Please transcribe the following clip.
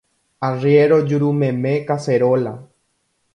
Arriéro jurumeme kaseróla.